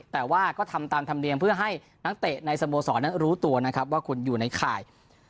แต่ว่าก็ทำตามธรรมเนียมเพื่อให้นักเตะในสโมสรนั้นรู้ตัวนะครับว่าคุณอยู่ในข่าย